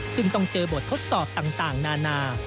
ซึ่งต้องเจอบททดสอบต่างนานา